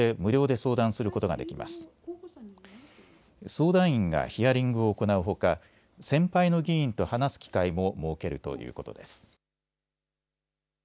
相談員がヒアリングを行うほか先輩の議員と話す機会も設けるということです。